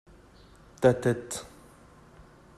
ta tête.